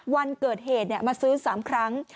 วันเกิดเหตุมาซื้อ๓ครั้ง